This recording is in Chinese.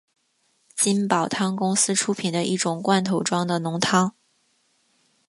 金宝汤公司出品的一种罐头装的浓汤。